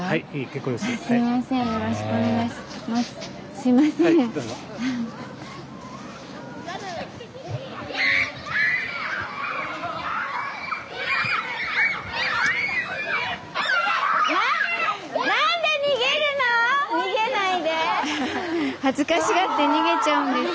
スタジオ恥ずかしがって逃げちゃうんです。